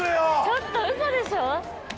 ちょっと嘘でしょ？